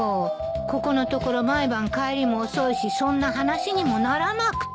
ここのところ毎晩帰りも遅いしそんな話にもならなくて。